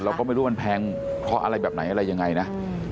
เราก็ไม่รู้มันแพงเพราะอะไรแบบไหนอะไรยังไงนะ